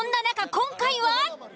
今回は。